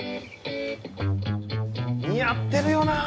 似合ってるよな。